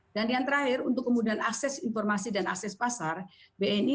dan yang terakhir untuk kemudian akses informasi dan akses pasar bni telah memiliki perusahaan yang sangat berharga